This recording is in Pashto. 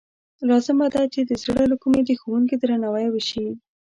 لازمه ده چې د زړه له کومې د ښوونکي درناوی وشي.